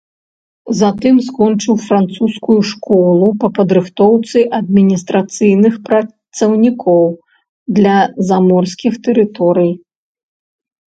Затым скончыў французскую школу па падрыхтоўцы адміністрацыйных працаўнікоў для заморскіх тэрыторый.